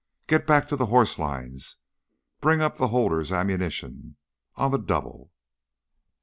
"Get back to the horse lines! Bring up the holders' ammunition, on the double!"